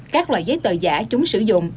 các loại giấy tờ giả chúng sử dụng